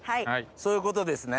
そういうことですね？